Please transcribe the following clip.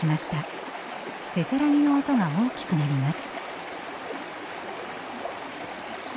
せせらぎの音が大きくなります。